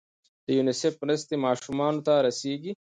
د یونیسف مرستې ماشومانو ته رسیږي؟